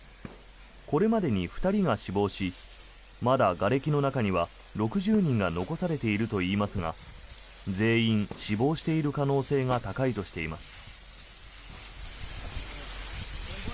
これまでに２人が死亡しまだ、がれきの中には６０人が残されているといいますが全員、死亡している可能性が高いとしています。